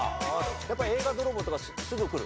やっぱ映画泥棒とかすぐくる？